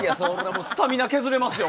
スタミナ削れますよ。